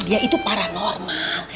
dia itu paranormal